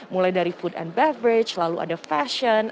mulai dari food and beverage lalu ada fashion